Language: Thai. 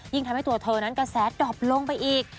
ทำให้ตัวเธอนั้นกระแสดอบลงไปอีก